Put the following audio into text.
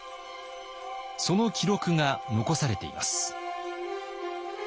その記録が残されています。